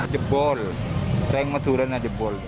jebol rang maturana jebol